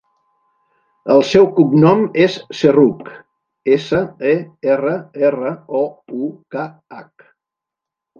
El seu cognom és Serroukh: essa, e, erra, erra, o, u, ca, hac.